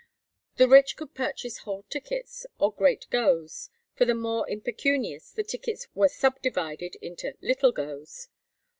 The rich could purchase whole tickets, or "great goes;" for the more impecunious the tickets were sub divided into "little goes."